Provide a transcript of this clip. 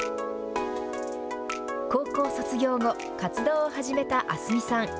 高校卒業後、活動を始めたａｓｍｉさん。